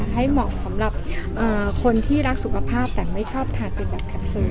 ให้เหมาะสำหรับคนที่รักสุขภาพแต่ไม่ชอบทานเป็นแบบแคปซูล